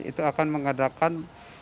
itu akan mengadakan